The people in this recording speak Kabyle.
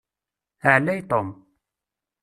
Ɛlay Tom.